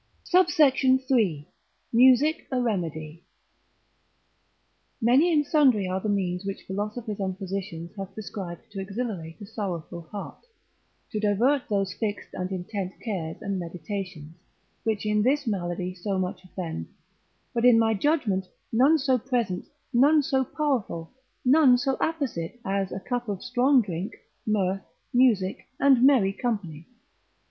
SUBSECT. III.—Music a remedy. Many and sundry are the means which philosophers and physicians have prescribed to exhilarate a sorrowful heart, to divert those fixed and intent cares and meditations, which in this malady so much offend; but in my judgment none so present, none so powerful, none so apposite as a cup of strong drink, mirth, music, and merry company.